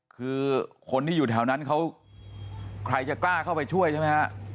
คือคนที่อยู่แถวนั้นเขาใครจะกล้าเข้าไปช่วยใช่ไหมฮะ